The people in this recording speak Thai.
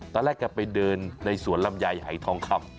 ตอนแรกจะไปเดินในสวรรมใยหายทองคัม